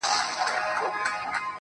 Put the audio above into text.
تا چي پر لمانځه له ياده وباسم,